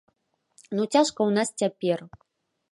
Ну цяжка ў нас цяпер.